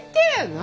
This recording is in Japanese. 何？